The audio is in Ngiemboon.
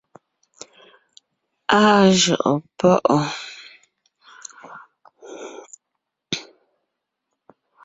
Áa jʉʼɔɔn páʼɔɔn.